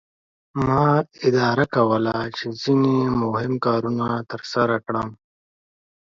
ما اداره کوله چې ځینې مهم کارونه ترسره کړم.